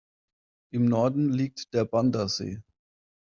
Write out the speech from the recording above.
Im Norden liegt die Bandasee.